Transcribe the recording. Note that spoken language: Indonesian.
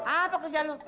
apa kerja kamu